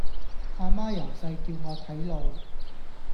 啊媽由細叫我睇路